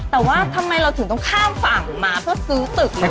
แต่ว่าทำไมเราถึงต้องข้ามฝั่งมาเพื่อซื้อตึก